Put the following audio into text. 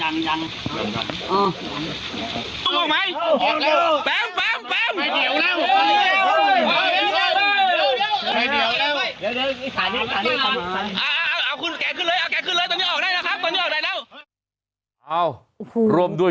เอาเขินเลยตรงนี้ออกได้นะครับตรงนี้ออกได้แล้วเอ้าโฮร่วมด้วย